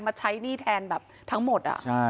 มาใช้หนี้แทนแบบทั้งหมด